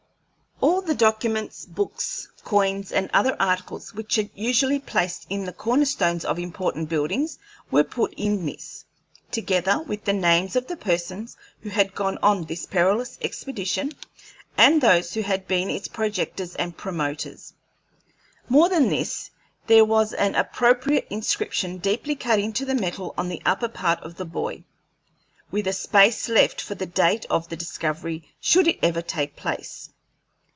All the documents, books, coins, and other articles which are usually placed in the corner stones of important buildings were put in this, together with the names of the persons who had gone on this perilous expedition and those who had been its projectors and promoters. More than this, there was an appropriate inscription deeply cut into the metal on the upper part of the buoy, with a space left for the date of the discovery, should it ever take place.